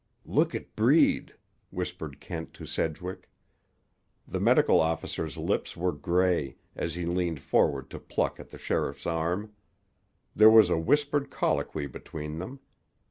"Look at Breed," whispered Kent to Sedgwick. The medical officer's lips were gray, as he leaned forward to pluck at the sheriff's arm. There was a whispered colloquy between them.